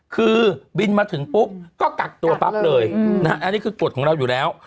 คือบินมาถึงปุ๊บก็กักตัวปั๊บเลยนะฮะอันนี้คือกฎของเราอยู่แล้ว